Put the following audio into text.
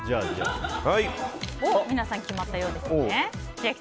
皆さん、決まったようですね。